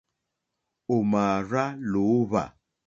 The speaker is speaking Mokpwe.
Ò mà àrzá lǒhwà.